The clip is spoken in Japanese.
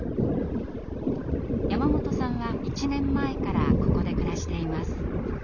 山本さんは１年前からここで暮らしています。